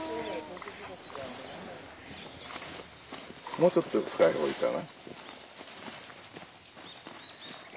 もうちょっと深い方がいいかな。